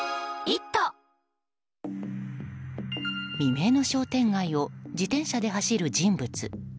未明の商店街を自転車で走る人物。